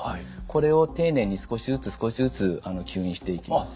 これを丁寧に少しずつ少しずつ吸引していきます。